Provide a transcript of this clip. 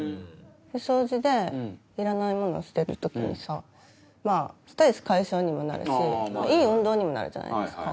掃除でいらないもの捨てる時にさまぁストレス解消にもなるしいい運動にもなるじゃないですか。